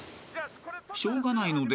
［しょうがないので］